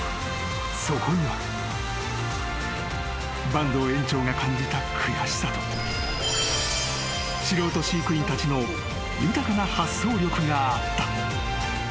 ［坂東園長が感じた悔しさと素人飼育員たちの豊かな発想力があった］